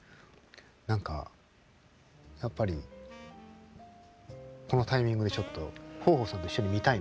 何かやっぱりこのタイミングでちょっと豊豊さんと一緒に見たいなと。